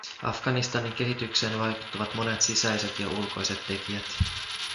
Afganistanin kehitykseen vaikuttavat monet sisäiset ja ulkoiset tekijät.